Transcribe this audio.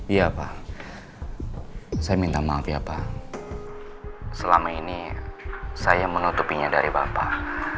iya pak saya minta maaf ya pak selama ini saya menutupinya dari bapak